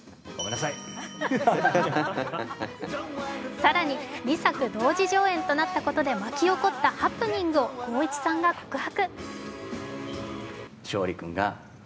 更に２作同時上演となったことで巻き起こったハプニングを光一さんが告白。